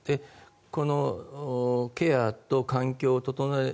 このケアと環境を整える。